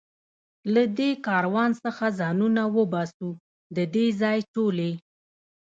له دې کاروان څخه ځانونه وباسو، د دې ځای ټولې.